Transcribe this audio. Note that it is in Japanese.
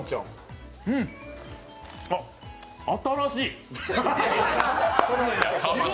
あ、新しい！